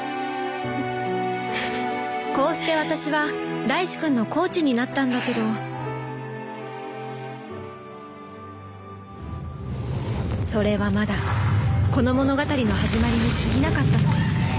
こうして私は大志くんのコーチになったんだけどそれはまだこの物語の始まりに過ぎなかったのです